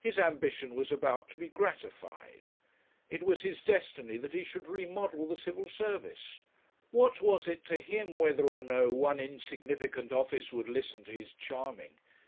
His ambition was about to be gratified. It was his destiny that he should remodel the Civil Service. What was it to him whether or no one insignificant office would listen to his charming?